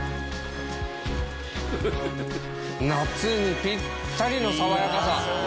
夏にぴったりの爽やかさ。